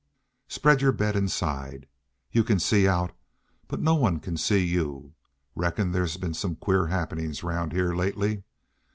Spread your bed inside. You can see out, but no one can see you. Reckon there's been some queer happenin's 'round heah lately.